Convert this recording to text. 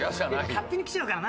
勝手にきちゃうからな。